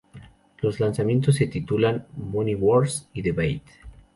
Los lanzamientos se titulan "Bounty Wars" y "The Bait".